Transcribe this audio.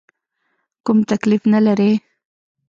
کوم تکلیف نه لرې؟